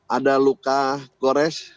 ada luka gores